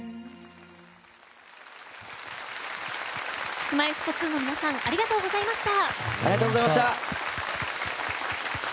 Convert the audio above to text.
Ｋｉｓ‐Ｍｙ‐Ｆｔ２の皆さんありがとうございました。